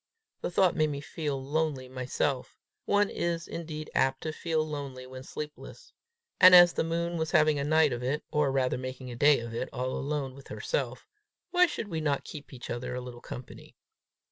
The thought made me feel lonely myself: one is indeed apt to feel lonely when sleepless; and as the moon was having a night of it, or rather making a day of it, all alone with herself, why should we not keep each other a little company?